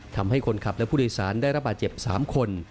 ทำให้คนขับและผู้โดยสารได้รับบาดเจ็บ๓คน